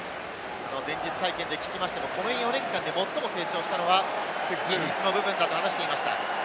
前日会見で聞きましても、この４年間で最も成長したのは規律の部分だと話していました。